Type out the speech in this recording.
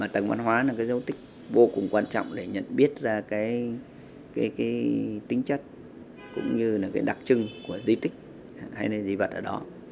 tầng văn hóa là dấu tích vô cùng quan trọng để nhận biết ra tính chất cũng như đặc trưng của di tích hay là di vật ở đó